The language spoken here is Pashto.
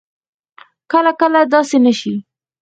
کله کله داسې نه شي